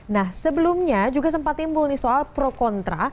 nah sebelumnya juga sempat timbul nih soal pro kontra